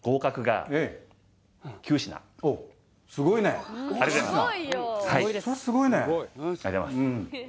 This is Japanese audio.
こちらがありがとうございます